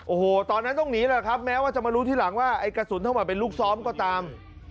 โอ้โหตอนนั้นต้องหนีแหละครับแม้ว่าจะมารู้ทีหลังว่าไอ้กระสุนทั้งหมดเป็นลูกซ้อมก็ตาม